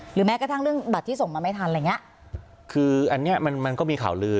แม้กระทั่งเรื่องบัตรที่ส่งมาไม่ทันอะไรอย่างเงี้ยคืออันเนี้ยมันมันก็มีข่าวลือ